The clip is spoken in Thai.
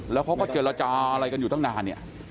แล้วเขาก็เจรจาอะไรกันอยู่ตั้งนานเนี่ย